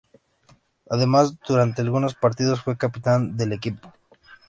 Además durante algunos partidos, fue capitán del equipo.